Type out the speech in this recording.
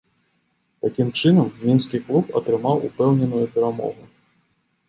Такім чынам, мінскі клуб атрымаў упэўненую перамогу.